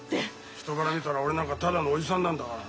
人から見たら俺なんかただのおじさんなんだから。